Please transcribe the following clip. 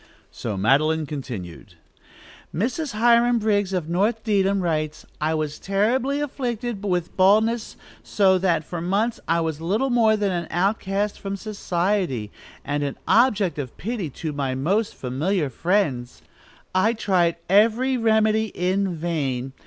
So Madeline continued: "Mrs. Hiram Briggs, of North Dedham, writes: 'I was terribly afflicted with baldness, so that, for months, I was little more than an outcast from society, and an object of pity to my most familiar friends. I tried every remedy in vain.